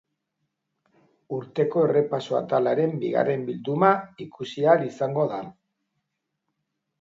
Urteko errepaso atalaren bigarren bilduma ikusi ahal izango da.